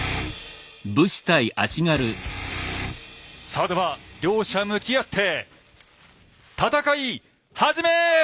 さあでは両者向き合って戦い始め！